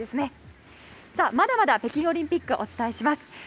まだまだ北京オリンピックをお伝えします。